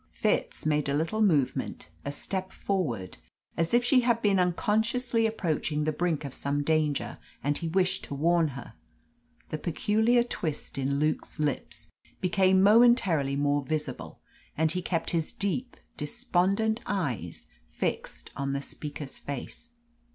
Fitz made a little movement, a step forward, as if she had been unconsciously approaching the brink of some danger, and he wished to warn her. The peculiar twist in Luke's lips became momentarily more visible, and he kept his deep, despondent eyes fixed on the speaker's face.